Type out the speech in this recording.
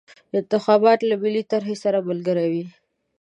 انتخابات له ملي طرحې سره ملګري وي.